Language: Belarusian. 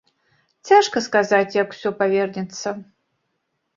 Цяжка сказаць, як усё павернецца.